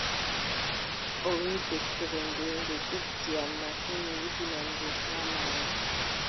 O wiʼi: deftere nde, nde teddi am masin mi wudinan nde haa maayo.